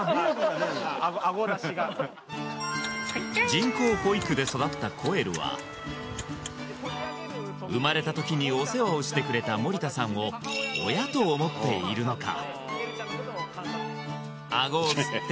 アゴダシがで育ったコエルは生まれた時にお世話をしてくれた盛田さんを親と思っているのかアゴを吸って